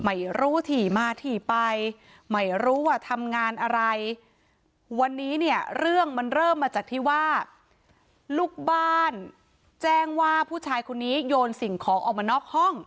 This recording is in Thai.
ไม่รู้ถี่มาถี่ไปไม่รู้ว่าทำงานอะไรวันนี้เนี่ยเรื่องมันเริ่มมาจากที่ว่าลูกบ้านแจ้งว่าผู้ชายคนนี้โยนสิ่งของออกมานอกห้อง